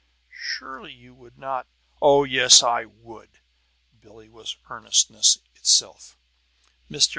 Surely you would not " "Oh, yes, I would!" Billie was earnestness itself. "Mr.